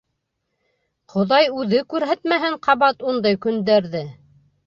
Хоҙай үҙе күрһәтмәһен ҡабат ундай көндәрҙе!..